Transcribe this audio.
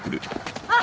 あっ！